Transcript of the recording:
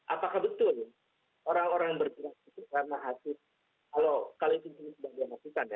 apakah betul orang orang bergerak itu karena hasil kalau itu sudah diangkatkan ya